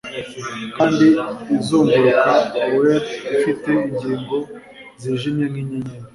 Kandi izunguruka oer ifite ingingo zijimye nkinyenyeri